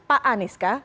pak anies kah